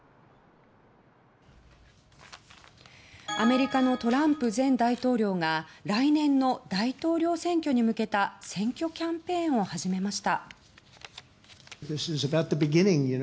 アメリカのトランプ前大統領が来年の大統領選挙に向けた選挙キャンペーンを始めました。